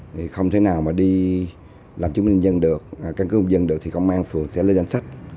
thì không thể nào mà đi làm chứng minh dân được căn cứ công dân được thì công an phường sẽ lên danh sách